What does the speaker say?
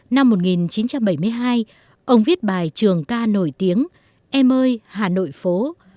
năm một nghìn chín trăm bảy mươi hai ông viết bài trường ca nổi tiếng em ơi hà nội phố